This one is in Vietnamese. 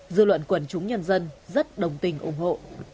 dư luận quần chúng nhân dân rất đồng tình ủng hộ